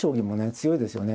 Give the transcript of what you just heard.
強いですよね。